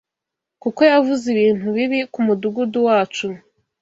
kuko yavuze ibintu bibi ku mudugudu wacu